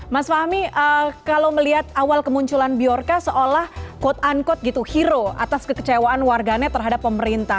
mas fahmi kalau melihat awal kemunculan bjorka seolah quote unquote gitu hero atas kekecewaan warganet terhadap pemerintah